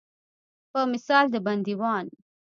په مثال د بندیوان.